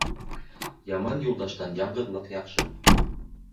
Яман юлдаштан яңғыҙлыҡ яҡшы.